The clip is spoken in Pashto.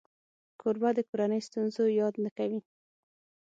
کوربه د کورنۍ ستونزو یاد نه کوي.